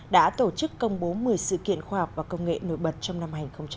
đã tổ chức công bố một mươi sự kiện khoa học và công nghệ nổi bật trong năm hai nghìn một mươi chín